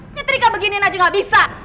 nyetrika beginiin aja gak bisa